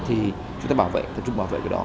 thì chúng ta bảo vệ chúng ta chung bảo vệ cái đó